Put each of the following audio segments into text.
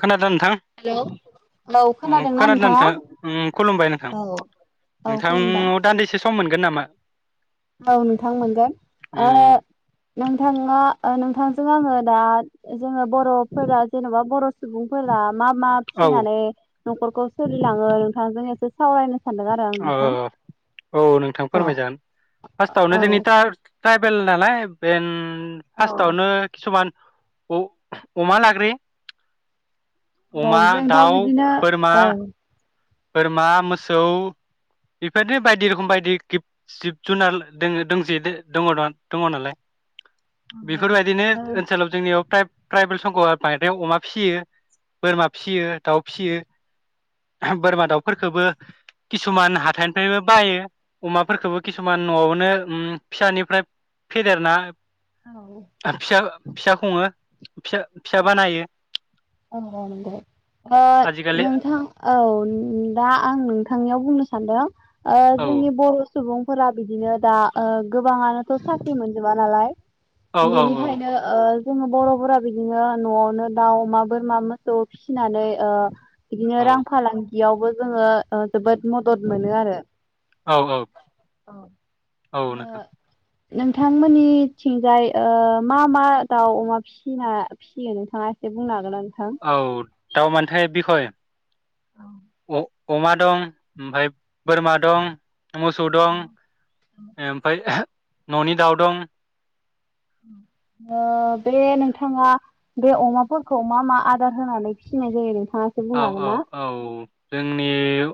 खोना दों नोंथां हेलौ औ ओ खोनादोंना खोनादों नोंथाङा नोंथां खुलुमबाय नोंथां औ औ खुलुमबाय नोंथांनियाव दान्दिसे सम मोन गोन नामा? औ नोंथां मोनगोन ओ उम नोंथाङा ओ नोंथांजों आङो दा जोङो बर'फोरा जेन'बा बर' सुबुंफोरा मा मा औ फिसिनानै न'खरखौ सोलिलाङो नोंथांजों ए सो सावारायनो अह, औ नोंथां फोरमायजागोन। पासथावनो औ जेनितार ट्राइबेल नालाय बेन पास्टावनो खिसुमान अ-अमा लाग्रोयो। औ अमा, जोंथ' दाउ, बिदिनो बोरमा। औ बोरमा, मोसौ बेफोरबादिनो बायदि रखम बायदि गिब जिब जुनार दोङो दोंजोयो दङदां दंङ नालाय। बेफोरबायदिनो औ ओनसोलाव जोंनियाव टायप ट्राइबेल संगआ बायरायाव अमा फिसियो, बोरमा फिसियो, दाउ फिसियो। बोरमा दाउफोरखोबो किसुमान हाथाइनिफ्रायबो बायो अमाफोरखोबो किसुमान न'वावनो फिसानिफ्राय फेदेरना ओ आरो फिसा फिसा खुङो। फिसा फिसा औ बानायो। औ औ नंगौ ओ आजिखालि नोंथां ओ औ दा आं नोंथांनियाव बुंनो सानदों ओ औ जोंनि बर' सुबुंफोरा बिदिनो दा ओ गोबाङानोथ' साख्रि मोनजोबा नालाय। औ औ बेनिखायनो ओ जोङो बर'फोरा बिदिनो न'आवनो दाउ, अमा बोरमा, मोसौ फिसिनानै ओ बिदिनो औ रां फालां बेयावबो जोङो ओ जोबोद मदद मोनो आरो। औ औ अह। औ नोथां। नोंथांमोननिथिंजाय ओ मा मा दाउ अमा फिना फिसियो नोंथाङा एसे बुंनो हागोनना नों औ दाउ मानथाय बिखय अ-अमा दं ओमफाय बोरमा दं मोसौ औ दं ओमफ्राय [unintelligible] न'नि दाउ दं ओ बे नोंथाङा बे अमाफोरखौ मा मा आदार होनानै फिसिनाय जायो? एसे औ बुंनो हागोन औ ना? औ जोंनि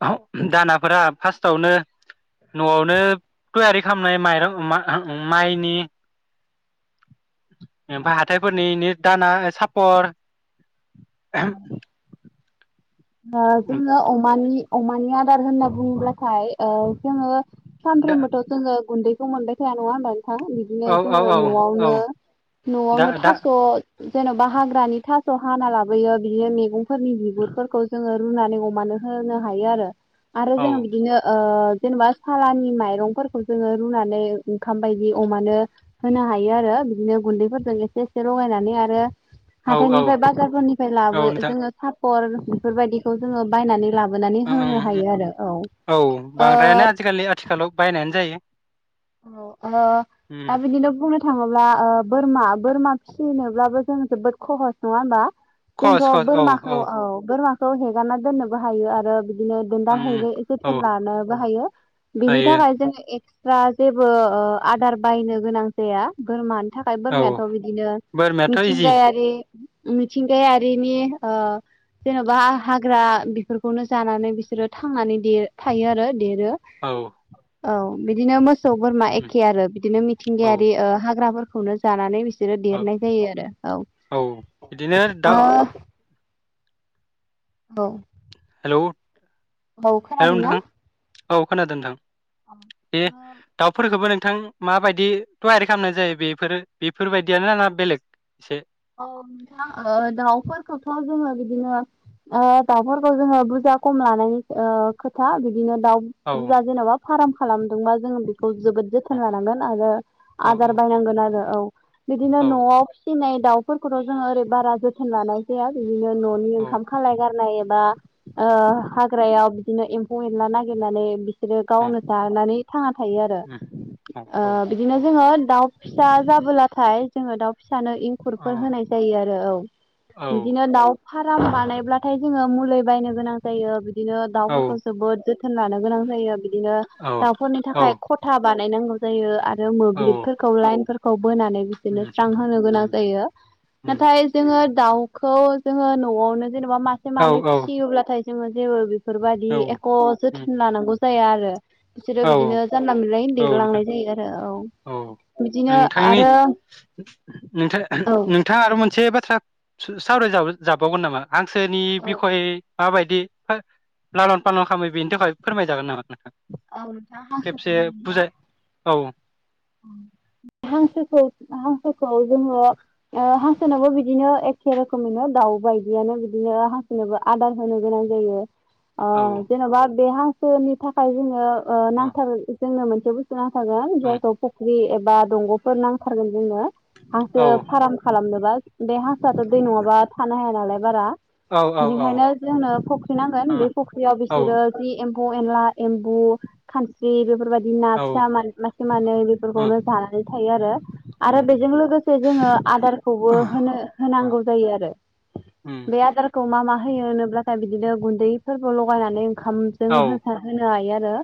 [unintelligible] दानाफोरा फार्स्टावनो न'आवनो थयारि खालामनाय माइरं मा माइनि ओमफाय हाथायफोरनि दाना सापर [unintelligible] ओ जोङो अमानि अमानि आदार होनना बुङोब्लाथाय ओ जोङो सानफ्रोमबोथ' जोङो गुन्दै खौ मोनबाय थाया नङा होनबानो था बिदिनो औ औ जोङो औ औ न'आवनो दा न'आवनो दा थास' जेन'बा हाग्रानि थास' हाना लाबोयो बिदिनो मैगंफोरनि बिगुरफोरखौ जोङो रुनानै अमानो होनो हायो आरो आरो औ जोङो बिदिनो ओ ओ जेनेबा सालानि माइरंफोरखौ जोङो रुनानै ओंखाम बायदि अमानो होनो हायो आरो बिदिनो गुन्दैफोरजों एसे एसे लगायनानै आरो औ औ हाथायनिफ्राय बाजारफोरनिफ्राय औ लाबो नोंथां जोङो सापर बि बेबायदिखौ जोङो बायनानै लाबोनानै होनो हायो आरो औ ओ बांद्रायानो आजिखालि आथिखालाव [unintelligible] औ अ दा बिदिनो बुंनो थाङोब्ला ओ बोरमा बोरमा फिसिनोब्लाबो जों जोबोद खहस नङा होमबा खहस जोंथ' खहस औ बोरमाखौ औ बोरमा खौ हेगारना दोननोबो हायो आरो बि दिनो दोनदाल हैनो एसे औ सोर लानोबो हायो बिनि हायो थाखाय जोङो [unintelligible] जेबो ओ आदार बायनो गोनां जाया बोरमानि थाखाय औ बोरमायाथ' बिदिनो बोरमायाथ' इजि मिथिंगायारि मिथिंगायारिनि ओ जेन'बा हाग्रा बेफोरखौनो जानानै बिसोरो थांनानै दे थायो आर देरो औ बिदिनो मोस सौ बोरमा एखे आरो बिदिनो औ मिथिंगायारि ओ हाग्राफोर खौनो जानानै बिस सोरो औ देरनाय जायो आरो औ बिदिनो दा औ ओ औ [unintelligible] औ हेलौ खोनादोंना नोंथां औ खोनादों नोंथां दे औ दाउफोरखौबो नोंथां माबायदि थयारि खालामनाय जायो बेफोरो बेफोरबायदियानो ना बेलेग एसे औ नोंथां दाउफोरखौथ' जोङो बिदिनो दाउफोरखौ जोङो बुरजा खम लानायनि खोथा बिदिनो दाउ औ बुरजा जेन'बा फार्म खालामदोंबा जोंङो बेखौ जोबोद औ जोथोन लानांगोन आरो औ आदार बायनांगोन आरो औ बिदिनो औ न'आव फिसिनाय दाउ फोरखौथ' जोङो ओरै बारा जोथोन लानाय जाया बिदिनो न'नि औ ओंखाम खालाय गारनाय एबा हाग्रायाव बिदिनो एम्फौ एनला नागिरनानै बिसोरो औ औ गावनो जानानै थांना थायो आरो औ बिदिनो जोङो दाउ फिसा जाबोलाथाय जोङो दाउ फिसानो इंखुर बो होनाय जायो आरो औ औ बिदिनो दाउ फार्म बानायब्लाथाय जोङो मुलि बायनो गोनां जायो बिदिनो औ दाउफोरखौ जोबोद जोथोन जोथोन लानो गोनां जायो बिदिनो दाउफोरनि औ थाखाय खथा बा बानायनांगौ जायो आरो जों औ मोब्लिबफोरखौ लाइनफोरखौ बोनानै बिदिनो स्रां होनो गोनां जायो। नाथाय जोंङो दाउखौ जोङो न न'आवनो जेनेबा मासे मानै फिसियोब्लाथाय जोङो जेबो बे फोरबायदि एख' जोथोन लानांगौ जाया आरो। बिसोरो बिदिनो जानला मोनलायै नोंथां देरलांनाय औ जायो आरो औ बिदिनो नोंथांनि आरो नोंथां नोंथाङा आरो मोन से बाथ्रा सावराय जाबावगोन नामा? हांसोनि बिखय माबायदि लालन पालन खामो बेनि थाखाय फोरमायजागोन नामा नोंथां? औ नोंथां [unintelligible] औ हांसोखौ हांसोखौ जोङो हांसोनाबो बिदिनो एखे रोखोमैनो दाउ बायदियानो बिदिनो हांसोनोबो आदार होनो गोनां जायो। अ औ जेन'बा बे हां सोनि थाखाय जोङो औ नांथार जोंनो मोन [unintelligible] गोन औ जायखौ ख ख्रि एबा दंग'फोर नांथारगोन जोंनो। औ हांसो फार्म खालामनोबा बे हांसोआथ' दै नङाबा थानो हाया नालाय बारा औ औ बेनिखायनो जोंनो फुख्रि नांगोन औ बे फुख्रियाव औ बिसोरो जि एम फौ एनला, एमबु, खानस्रि बेफोर बाय दि ना औ फिसा मासे मानै खौनो जानानै थायो आरो। आरो बेजों लोगोसे जोङो आदारखौबो होनो होनांगौ जायो आरो बे आदारखौ मा मा होयो होनब्लाथाय बिदिनो गुन्दै फोरबो लगायनानै ओंखामजों होसार होनो हायो आरो।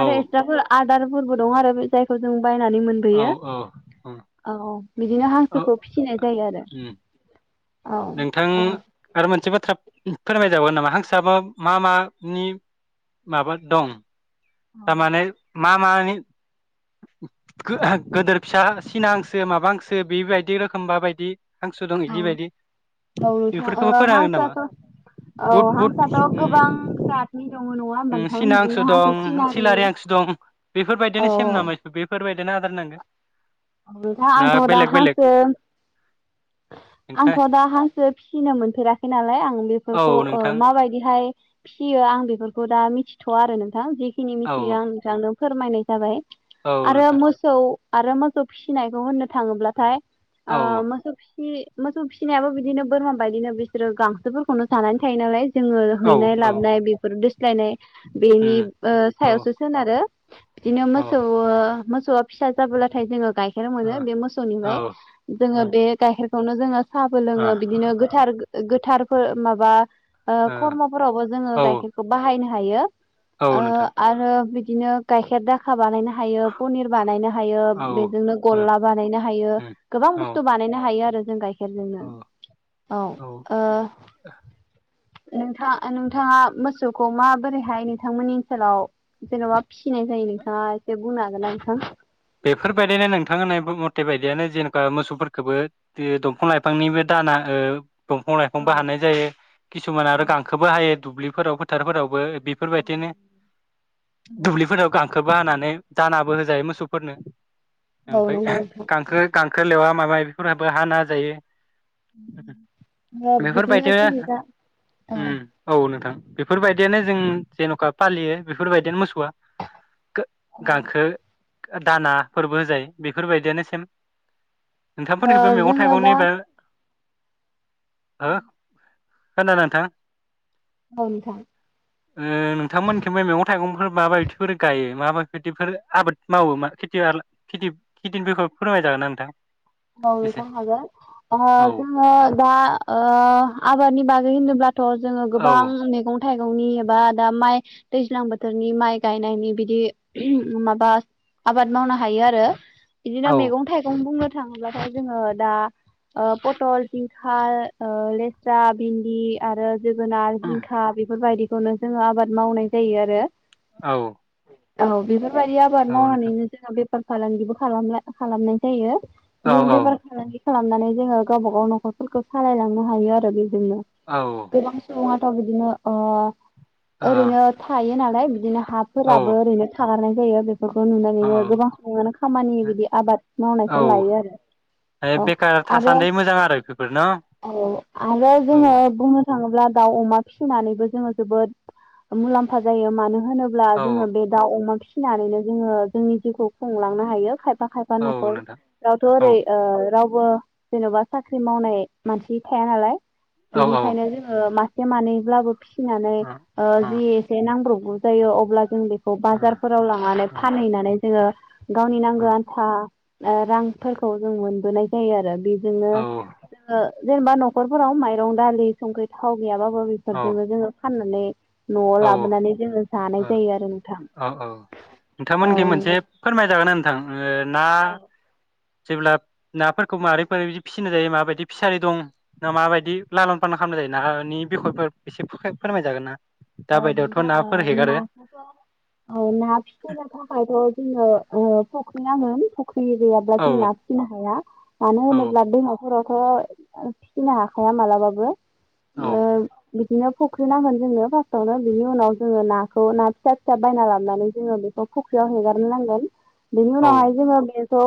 [unintelligible] आरो [unintelligible] [unintelligible] फोरबो दं आरो जायखौ जों बायनानै मोनबोयो औ औ बिदिनो औ हांसोखौ फिसिनाय जायो आरो। औ नोंथां औ आरो मोनसे बाथ्रा फोरमाय जाबावगोन नामा हांसोआ मा मा मानि माबा दं? थार औ माने मा मानि गोदोर फिसा सिना हांसो माबा हांसो बेबायदि रोखोम बाबायदि? औ औ नोंथां बेफोरखौबो ओ फोरोनांगोन नामा हांसोयाथ औ बुद हांसोयाथ बुद गोबां जाथनि दङ नङा होमबा उम नोंथां सिना बिदिनो हांसो दं सिना सिलारि हांसो दं बेफोरबायदिनो सेम नामा बेफोरबायदि देना आदार नांगो नोंथां आंथ दा हांसो नोंथां आंथ दा हांसो फिसिनो मोनफेराखै नालाय आं औ बेफोरखौ ओ नोंथां माबायदिहाय फियो आं बेफोरखौ दा मिथिथया आरो नोंथां फिनो औ मिथिया आरो नों फोरमायनाय जाबाय औ आरो नोंथां मोसौ आरो मोख सौ फिसिनायखौ होननो थाङोब्लाथाय आ औ मोसौ फि मोसौ फिसिनायाबो बिदिनो बोरमा बायदिनो बिसोरो गांसोफोरखौनो जानानै थायो नालाय जोङो औ हैनाय औ लाबोनाय बेफोर दोस्लायनाय बेनि उम ओ औ सायावसो सोनारो। बिदिनो मोसौ ओ मो सौया फिसा जाबोला थाय जोङो गाइखेर ओ औ मोनो बे ओ मोसौनिफाय जोङो बे गाइखेर खौनो जोङो साहाबो ओ लोङो बिदिनो गोथार गो-गोथार फोर माबा ओ खर्मफोरावबो जोङो ओ गाइखेरखौ बाहायनो हायो। औ ओ नोंथां आरो बि बिदिनो गाइखेर दाखा बानायनो हायो पनिर बानायनो हायो। औ ओ बेजोंनो गल्ला बानायनो हायो उम गोबां औ बुस्थु बानायनो हायो आरो। जों गाय खेरजोंनो औ औ ओ। नोंथाङा नोंथाङा मोसौखौ माबोरैहाय नोंथांमोननि ओनसोलाव जेनबा फिसिनाय जायो नोंथाङा एसे बुंनो हागोनना नोंथां? बेफोरबायदिनो नोंथां होन्नाय मथे बायदियानो जेनबा मोसौफोरखौबो दो दंफां लाइफांनिबो दाना ओ दंफां लाइफांबो हाननाय जायो किसुमान आरो गांखोबो हायो दुब्लि फोराव फोथारफोरावबो बेफोरबायदिनो दुब्लिफोराव गांखो बो हानानै दानाबो होजायो मोसौ फोरनो। ओमफाय गांखो गां खो लेवा माबा माबिफोराबो हाना होजायो। ओ बिदिनो बेफोरबायदिनो जों दा उम औ नोंथां। बेफोरबायदियानो जों जेनखा फालियो बेफोरबायदिनो मोसौ गांखो दाना फोरबो होजायो बेफोरबायदियानो सेम। ओ नोंथांफोरनिखैबो मैगं जोङो दा थाइगंनिबो [unintelligible] [unintelligible] ओ औ नोंथां नोंथांमोनखैबो मैगं थाइगंफोर माबा बिदिफोर गायो मा मा बायदिफोर आबाद मावो मा खेथि खेथि खिथिनिफोरखौ फोरोंमाय जागोन ना नोंथां औ एसे नोंथां हागोन ओ औ जोंङो दा ओ आबादनि बागै होनोब्ला थ जोंङो औ गोबां मैगं माइगंनि एबा दा माइ दैज्लां बोथोरनि माइ गायनायनि बिदि माबा आबाद मावनो हायो आरो बिदिनो औ मैगं थाइगं बुंनो थाङोबथाय जोंङो दा पथल जिंखा ओ लेस्रा भिन्दि आरो जोगोनार जिंखा बेफोरबायदि खौनो जोंङो आबाद मावनाय जायो आरो औ औ बिबार बेबायदि आबाद औ नोंथां मावनानैनो जोंङो बे बेफार फालांगिबो खालाम खालामनाय जायो औ [unintelligible] बेफार औ फालांगि खालामनानै जोंङो गावबा गाव नखरफोरखौ सालायलांनो हायो आरो बे ओ गोबां सुबुंआ बिदिनो ओ औ ओरैनो थायो नामा हाय बिदिनो हाफोराबो ओरैनो थागारनाय जायो बे बेफोरखौ औ नुनानैनो गोबां समङानो खामानि बिदि आबाद औ मावनायखौ लायो औ आरो अ बेखार आरो थासान्दि मोजां आरो बेफोर न औ आरो औ जोङो बुंनो थाङोब्ला दाउ अमा फिसिनानैबो जोङो जोबोद मुलाम्फा जायो मानो होनोब्ला औ जोङो बे दाउ अमा फि सिनानैनो जोङो जोंनि जिउखौ खुंलांनो हायो। खा खायफा औ नखर नोंथां औ बोरै ओ रावबो जेन'बा साख्रि मावनाय मानसि थाया नालाय औ बेनिखायनो जोङो मा से मानैब्लाबो फिसिनानै ओ जि एसे नांब्रब गौ जायो अब्ला जों बे खौ बाजारफोराव लांनानै फानहैनानै जोङो गावनि नांगौ आन्था ओ रां फोरखौ जों मोनबोनाय जायो आरो बे जोंनो ओ जोङो जेनेबा न'खरफोराव माइरं दालि संख्रि थाव गैयाबाबो ओ बिफोरजोंनो जोङो फाननानै न'आव औ लाबोनानै जोङो जानाय औ ओ जायो आरो नोंथां अ ओ औ नोंथांमोनखि मोनसे नंगौ फोरमायजागोनना नोंथां ओ ना जेब्ला नाफोरखौ माबारैफोरदि फिसिनाय जायो माबायदि फिसारि दं ना माबायदि लालन फालन खालामनाय जायो नानि बिखयफोर एसे फोरमायजागोन ना? दा ओ बायदियावथ' नोंथां ओ नाफोर हेगारो नाखोथ' औ ना फिनो थाखायथ' जोङो ओ फख्रि नांङोन। फुख्रि गैयाब्ला औ जों ना फिसिनो हाया मानो औ होनोब्ला दैमाफोराव थ' फिसिनो हाखाया मालाबाबो। औ ओ बिदिनो फख्रि नांगोन जोंनो फार्स तावनो बिनि उनाव जोङो नाखौ ना फिसा फिसा बायना लाबनानै जोङो बेखौ फुख्रियाव हेगारनो नांगोन। बिनि औ उनावहाय जोङो स' ओ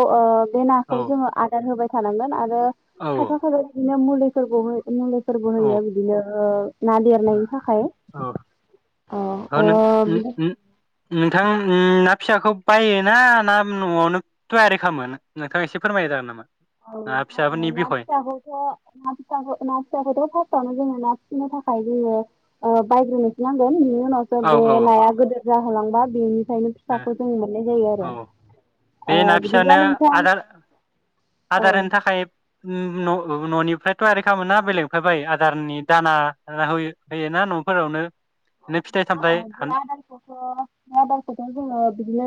बे नाखौ जोङो आदार होबाय थानांगोन आरो औ खायफा खायफा बिदिनो मुलेैफोर [unintelligible] फोरबो होयो औ बिदिनो ओ ना देरनायनि थाखाय। औ, ओ हो नों उम, बिदि उम नोंथां ना फिसाखौ बायोना ना न'आवनो टयारि खामो नोंथाङा एसे फोरमायनो होनो हागोन नामा? औ ना फिसाफोरनि ना बिखय फिसाखौथ' ना फिसाखौ ना फिसाखौ फासटावनो नो थाखाय जोङो बायग्रोनसनांगोन उनावसो औ बे औ नाया गोदोर जाहोलांबा बेनि ओंखायनो फिसाखौ जों मोननाय जायो आरो औ बे ना फिसानो बिदिब्ला नोंथां आदार औ आदार होनो थाखाय उम न'निफ्राय थयारि खामोना बेलेगनिफराय बायो आदारनि दाना हो होयोना न'फोरावनो? बिदिनो फिथाइ [inaudible] आ सामथाइ हान बिलया [unintelligible] सम [unintelligible] [inaudible] जना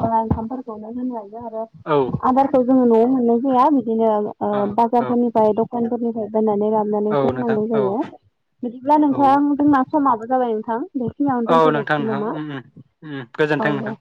होन [unintelligible] आरो औ आदारखौ जोङो न'आव मोननाय जाया बिदिनो औ औ बाजारफोरनिफ्राय दखानफोरनिफ्राय बायनानै औ लाबोनानैसो नोंथां होनांगौ औ जायो बिदिब्ला नों औ नोंथां जोंना समाबो जाबाय नोंथां बेखिनियावनो औ नोंथां दोनथ'जानोसै नोंथां नामा उम उम उम औ गोजोन्थों नोंथां दे।